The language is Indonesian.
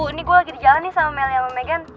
ini gue lagi di jalan nih sama meli sama megan